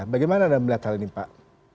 bagaimana anda melihat hal ini pak